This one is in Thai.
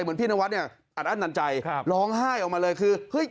เหมือนพี่นวัดเนี่ยอัดอั้นตันใจร้องไห้ออกมาเลยคือเฮ้ย